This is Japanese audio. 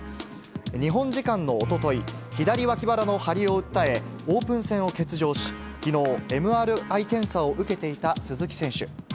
日本時間のおととい、左脇腹の張りを訴え、オープン戦を欠場し、きのう、ＭＲＩ検査を受けていた鈴木選手。